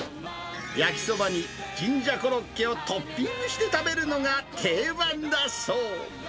焼きそばにじんじゃコロッケをトッピングして食べるのが定番だそう。